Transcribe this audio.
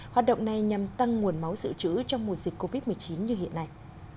hoạt động này nhằm tăng nguồn máu dự trữ trong mùa dịch covid một mươi chín như hiện nay